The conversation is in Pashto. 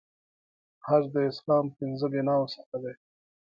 حج د اسلام د پنځو بناوو څخه دی.